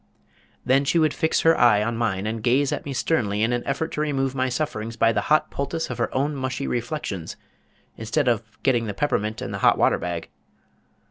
_ Then she would fix her eye on mine, and gaze at me sternly in an effort to remove my sufferings by the hot poultice of her own mushy reflections instead of getting the peppermint and the hot water bag.